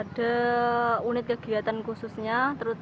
ada unit kegiatan khususnya